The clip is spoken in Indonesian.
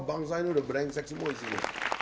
bangsa ini udah brengsek semua disini